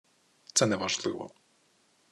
Це не важливо